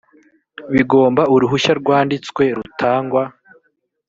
bigomba uruhushya rwanditswe rutangwa